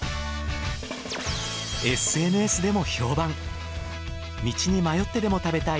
ＳＮＳでも評判。